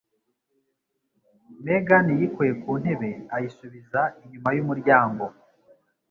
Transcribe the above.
Megan yikuye ku ntebe ayisubiza inyuma y'umuryango.